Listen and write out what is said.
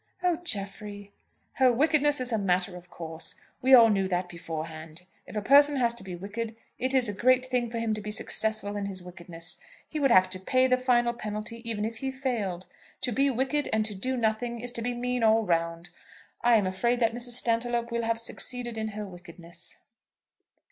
"Oh, Jeffrey!" "Her wickedness is a matter of course. We all knew that beforehand. If a person has to be wicked, it is a great thing for him to be successful in his wickedness. He would have to pay the final penalty even if he failed. To be wicked and to do nothing is to be mean all round. I am afraid that Mrs. Stantiloup will have succeeded in her wickedness."